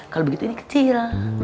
kalau begitu ini kecil